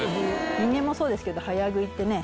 人間もそうですけど早食いってね